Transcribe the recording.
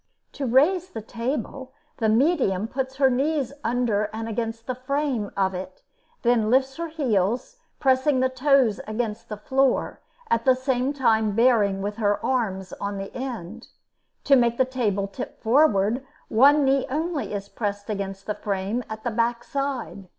To raise the table, the "medium" puts her knees under and against the frame of it, then lifts her heels, pressing the toes against the floor, at the same time bearing with her arms on the end. To make the table tip forward, one knee only is pressed against the frame at the back side.